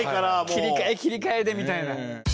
切り替え切り替えでみたいな。